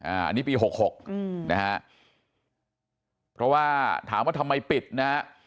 อันนี้ปีหกหกอืมนะฮะเพราะว่าถามว่าทำไมปิดนะฮะ